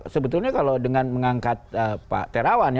sebetulnya kalau dengan mengangkat pak tarawan